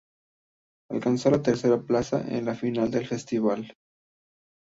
Alcanzó la tercera plaza en la final del festival.